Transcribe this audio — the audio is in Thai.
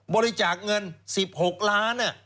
บริจาคเงิน๑๖ล้าน